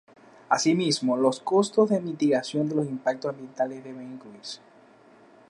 Asimismo los costos de mitigación de los impactos ambientales deben incluirse.